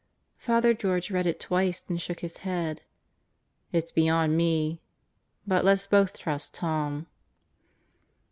Father George read it twice then shook his head. "It's beyond me. ... But let's both trust Tom."